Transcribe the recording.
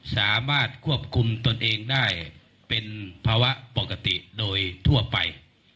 สามารถควบคุมตนเองได้เป็นภาวะปกติโดยทั่วไป